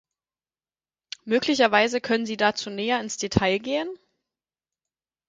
Möglicherweise können Sie dazu näher ins Detail gehen?